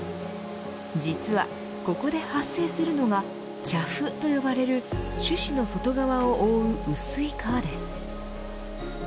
実はここで発生するのがチャフと呼ばれる種子の外側を覆う薄い皮です。